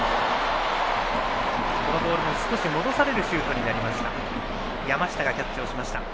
このボールも少し戻されるシュートになりました。